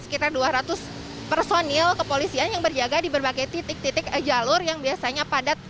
sekitar dua ratus personil kepolisian yang berjaga di berbagai titik titik jalur yang biasanya padat